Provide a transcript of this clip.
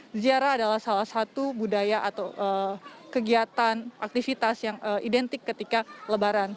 dan ziarah adalah salah satu budaya atau kegiatan aktivitas yang identik ketika lebaran